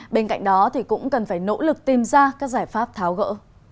bên cạnh đó thì cũng cần phải nỗ lực tìm ra các giải pháp tháo gỡ